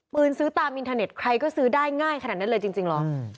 ซื้อตามอินเทอร์เน็ตใครก็ซื้อได้ง่ายขนาดนั้นเลยจริงเหรอ